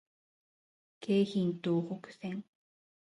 京浜東北線